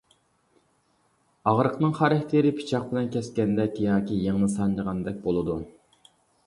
ئاغرىقنىڭ خاراكتېرى پىچاق بىلەن كەسكەندەك ياكى يىڭنە سانجىغاندەك بولىدۇ.